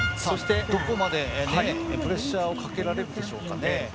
どこまでプレッシャーをかけられるでしょうかね。